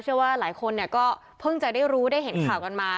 เชื่อว่าหลายคนก็เพิ่งจะได้รู้ได้เห็นข่าวกันมา